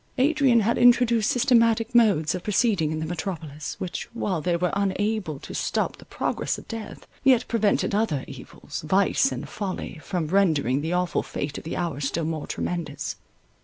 Adrian had introduced systematic modes of proceeding in the metropolis, which, while they were unable to stop the progress of death, yet prevented other evils, vice and folly, from rendering the awful fate of the hour still more tremendous.